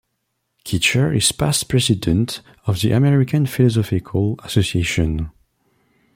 Kitcher is past president of the American Philosophical Association.